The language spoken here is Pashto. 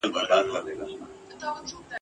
چي له سر څخه د چا عقل پردی سي ..